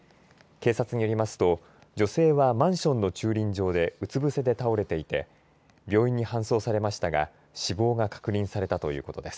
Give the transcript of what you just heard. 警察によりますと女性は、マンションの駐輪場でうつぶせで倒れていて病院に搬送されましたが死亡が確認されたということです。